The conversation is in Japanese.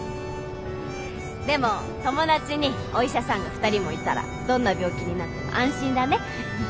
でも友達にお医者さんが２人もいたらどんな病気になっても安心だね。